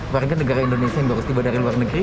warga negara indonesia yang baru tiba dari luar negeri